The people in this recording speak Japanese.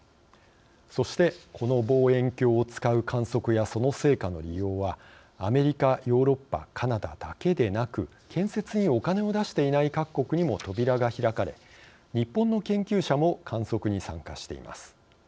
そして、この望遠鏡を使う観測やその成果の利用はアメリカ、ヨーロッパカナダだけでなく建設にお金を出していない各国にも扉が開かれ日本の研究者も観測に参加しています。